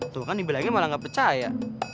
tuh kan dibilangnya malah gak percaya